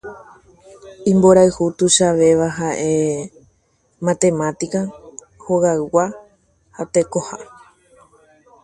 Sus más grandes amores son las matemáticas, su familia y la naturaleza.